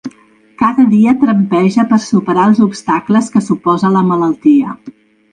Cada dia trampeja per superar els obstacles que suposa la malaltia.